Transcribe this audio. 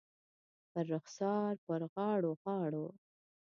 پر رخسار، پر غاړو ، غاړو